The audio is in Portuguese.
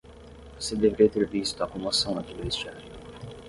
Você deveria ter visto a comoção naquele vestiário.